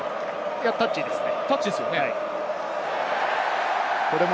いやタッチですね。